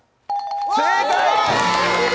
正解！